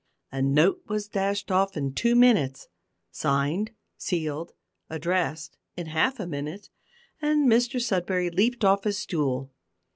A note was dashed off in two minutes, signed, sealed, addressed, in half a minute, and Mr Sudberry leaped off his stool.